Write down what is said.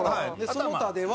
その他では？